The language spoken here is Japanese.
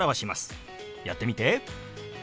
やってみて。